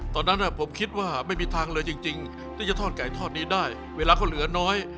ตอนนั้นผมคิดว่าไม่มีทางเลยจริงที่จะทอดไก่ทอดนี้ได้เวลาเขาเหลือน้อย